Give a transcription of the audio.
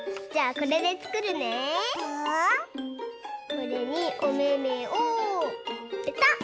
これにおめめをぺたっ。